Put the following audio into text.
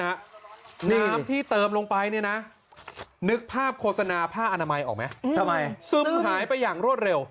น้ำที่เติมลงไปเนี่ยนะนึกภาพโฆษณาผ้าอนามัยออกไหมทำไมซึมหายไปอย่างรวดเร็ว